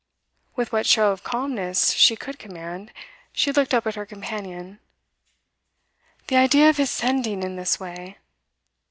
With what show of calmness she could command, she looked up at her companion. 'The idea of his sending in this way!